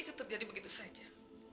itu terjadi begitu saja